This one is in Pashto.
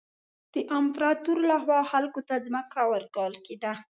د امپراتور له خوا خلکو ته ځمکه ورکول کېده.